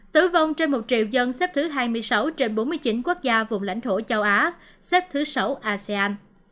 tử vong trên một triệu dân xếp thứ hai mươi sáu trên bốn mươi chín quốc gia vùng lãnh thổ châu á xếp thứ sáu asean